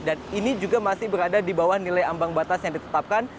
dan ini juga masih berada di bawah nilai ambang batas yang ditetapkan